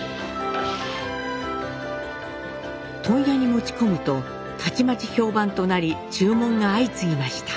問屋に持ち込むとたちまち評判となり注文が相次ぎました。